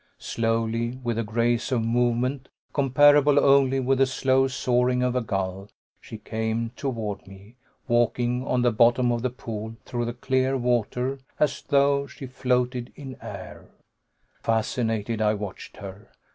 Slowly, with a grace of movement comparable only with the slow soaring of a gull, she came toward me, walking on the bottom of the pool through the clear water as though she floated in air. Fascinated, I watched her.